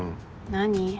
何？